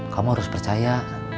kamu harus percaya